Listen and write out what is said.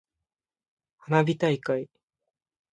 花火大会。